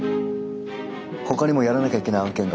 ほかにもやらなきゃいけない案件があるので。